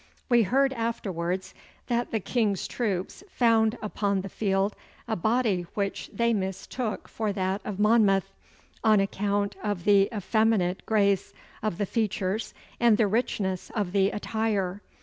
We heard afterwards that the King's troops found upon the field a body which they mistook for that of Monmouth, on account of the effeminate grace of the features and the richness of the attire.